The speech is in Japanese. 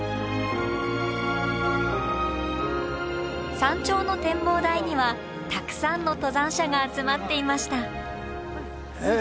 山頂の展望台にはたくさんの登山者が集まっていました。